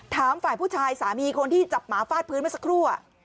ถามฝ่ายผู้ชายสามีคนที่จับหมาฟาดพื้นเมื่อสักครู่